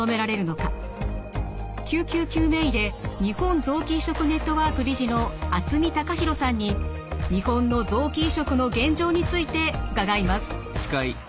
救急救命医で日本臓器移植ネットワーク理事の渥美生弘さんに日本の臓器移植の現状について伺います。